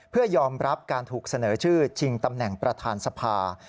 เพื่อยอมรับการถูกเสนอชื่อชิงตำแหน่งประธานสภา